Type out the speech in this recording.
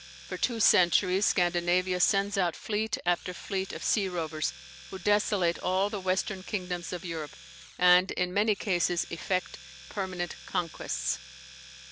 For two centuries Scandinavia sends out fleet after fleet of sea rovers, who desolate all the western kingdoms of Europe, and in many cases effect permanent conquests.